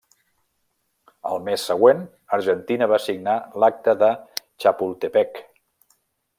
Al mes següent, Argentina va signar l'Acta de Chapultepec.